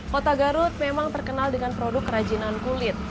kota garut memang terkenal dengan produk kerajinan kulit